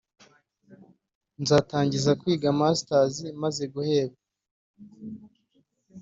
Nzatangira kwiga mastazi maze guhebwa